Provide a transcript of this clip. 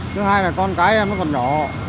thứ hai là con cái nó còn nhỏ